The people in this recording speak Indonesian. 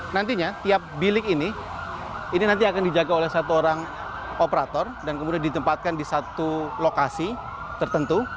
nantinya tiap bilik ini nanti akan dijaga oleh satu orang operator dan kemudian ditempatkan di satu lokasi tertentu